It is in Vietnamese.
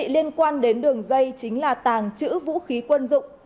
liên quan đến đường dây chính là tàng trữ vũ khí quân dụng